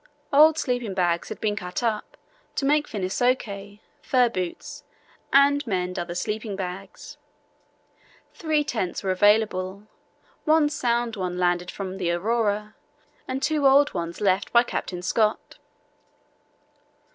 Old sleeping bags had been cut up to make finneskoe (fur boots) and mend other sleeping bags. Three tents were available, one sound one landed from the Aurora, and two old ones left by Captain Scott.